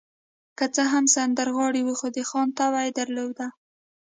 که څه هم سندرغاړی و، خو د خان طبع يې درلوده.